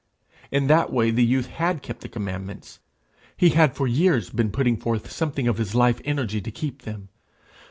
In that way the youth had kept the commandments. He had for years been putting forth something of his life energy to keep them.